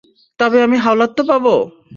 তবে আমি হাওলাত তো পাবো?